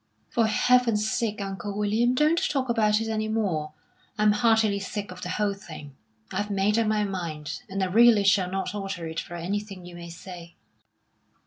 "For Heaven's sake, Uncle William, don't talk about it any more. I'm heartily sick of the whole thing. I've made up my mind, and I really shall not alter it for anything you may say."